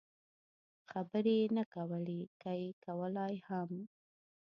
خبرې یې نه کولې، که یې کولای هم.